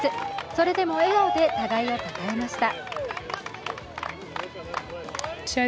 それでも笑顔で互いをたたえました。